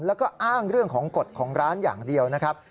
แล้วก็อ้างเรื่องของกฎของร้านอย่างเดียวนะครับ